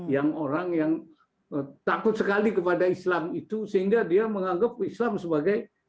yang orang yang takut sekali kepada islam itu sehingga dia menganggap islam sebagai